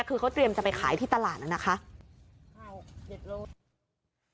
คือเขาเตรียมจะไปขายที่ตลาดน่ะนะคะ